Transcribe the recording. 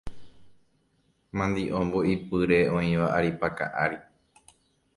Mandi'o mbo'ipyre oĩva aripaka ári.